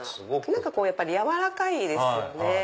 やっぱりやわらかいですよね。